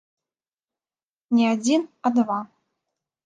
Не адзін, а два.